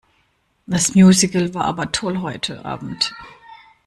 Das Musical war aber toll heute Abend.